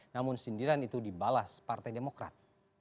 namun sindiran itu dibalas partai demokrat